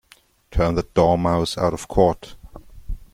Turn that Dormouse out of court!